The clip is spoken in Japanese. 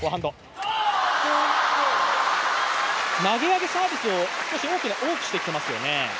投げ上げサービスを少し多くしてきてますよね。